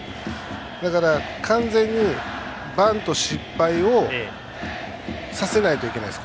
だから完全にバント失敗をさせないといけないです